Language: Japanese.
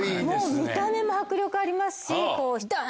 見た目も迫力ありますし。